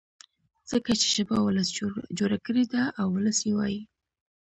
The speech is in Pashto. ځکه چي ژبه ولس جوړه کړې ده او ولس يې وايي.